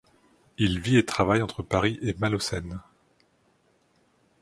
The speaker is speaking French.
Il vit et travaille entre Paris et Malaucène.